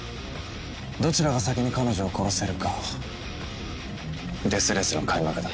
どちらが先に彼女を殺せるかデスレースの開幕だ。